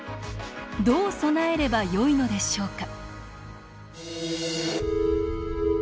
どう備えればよいのでしょうか。